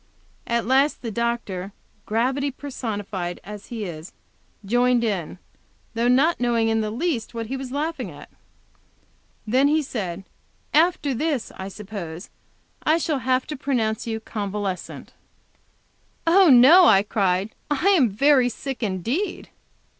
At last the doctor, gravity personified as he is, joined in, though not knowing in the least what he was laughing at. Then he said, "After this, I suppose, I shall have to pronounce you convalescent." "Oh, no!" I cried. "I am very sick indeed."